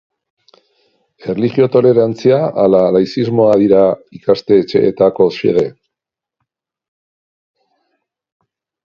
Erlijio tolerantzia ala laizismoa dira ikastetxeetako xede?